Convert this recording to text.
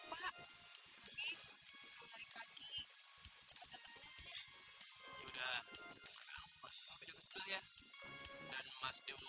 faruq rasanya cuma kamu yang pantas pakai jenis ini